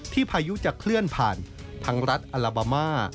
พายุจะเคลื่อนผ่านทั้งรัฐอัลบามา